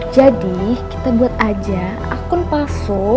jadi kita buat aja akun palsu